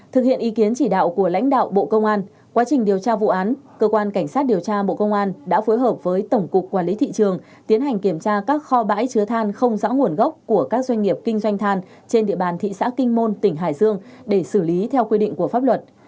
thực hiện ý kiến chỉ đạo của lãnh đạo bộ công an quá trình điều tra vụ án cơ quan cảnh sát điều tra bộ công an đã phối hợp với tổng cục quản lý thị trường tiến hành kiểm tra các kho bãi chứa than không rõ nguồn gốc của các doanh nghiệp kinh doanh than trên địa bàn thị xã kinh môn tỉnh hải dương để xử lý theo quy định của pháp luật